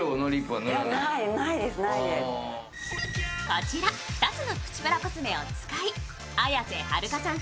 こちら２つのプチプラコスメを使い綾瀬はるかさん